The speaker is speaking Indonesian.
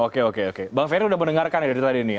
oke oke oke bang ferry sudah mendengarkan ya dari tadi nih